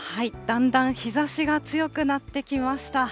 だんだん日ざしが強くなってきました。